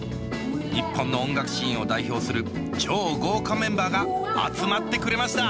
日本の音楽シーンを代表する超豪華メンバーが集まってくれました